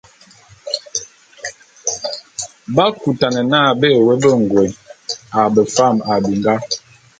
B'akutane n'a bé woé bengôé a befam a binga.